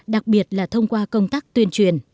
đặc biệt là thông qua công tác tuyên truyền